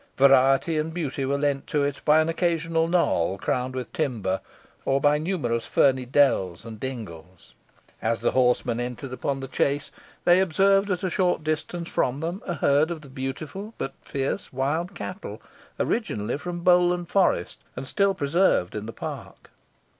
Variety and beauty were lent to it by an occasional knoll crowned with timber, or by numerous ferny dells and dingles. As the horsemen entered upon the chase, they observed at a short distance from them a herd of the beautiful, but fierce wild cattle, originally from Bowland Forest, and still preserved in the park.